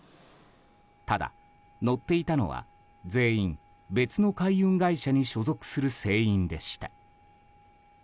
ただ、乗っていたのは全員別の海運会社に所属する船員でした。